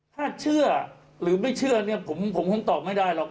ถ้าเชื่อหรือไม่เชื่อเนี่ยผมคงตอบไม่ได้หรอก